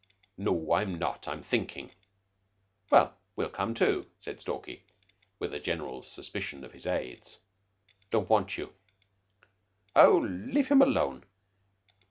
"No, I'm not. I'm thinking." "Well, we'll come, too," said Stalky, with a general's suspicion of his aides. "Don't want you." "Oh, leave him alone.